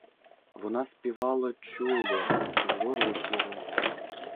Вона співала чуло, зворушливо.